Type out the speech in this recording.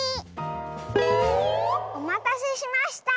おまたせしました！